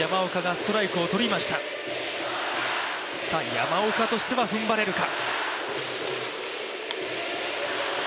山岡としては踏ん張れるか。